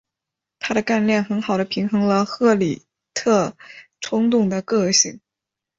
她的干练很好地平衡了里赫特冲动的个性。